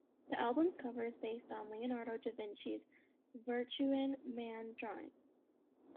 The album's cover art is based on Leonardo da Vinci's "Vitruvian Man" drawing.